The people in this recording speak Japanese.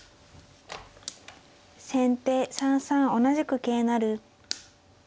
先手３三同じく桂成。